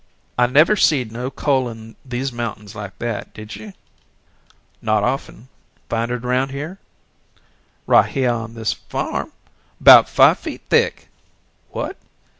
"I never seed no coal in these mountains like that did you?" "Not often find it around here?" "Right hyeh on this farm about five feet thick!" "What?"